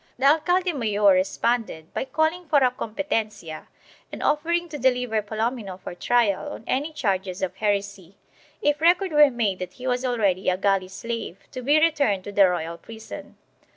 The alcalde mayor responded by calling for a competencia and offering to deliver Palomino for trial on any charges of heresy, if record were made that he was already a galley slave to be returned to the royal prison.